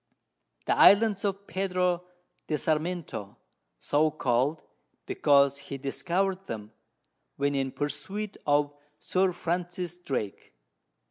The Islands of Pedro de Sarmiento, so call'd, because he discover'd them, when in Pursuit of Sir Francis Drake.